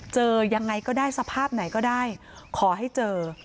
เจอยังไงก็ได้สภาพไหนก็ได้ขอให้เจอ